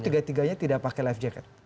tiga tiganya tidak pakai life jacket